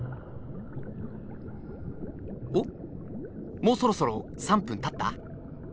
おっもうそろそろ３分たった？